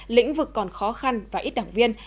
lĩnh vực còn khó khăn và ít đảng viên